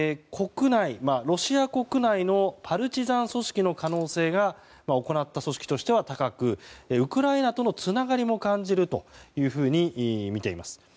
ロシア国内のパルチザン組織の可能性が行ったと組織としては高くウクライナとのつながりも感じるというふうにみています。